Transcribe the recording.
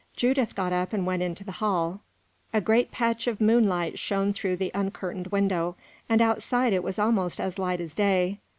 Judith got up and went into the hall. A great patch of moonlight shone through the uncurtained window, and outside it was almost as light as day.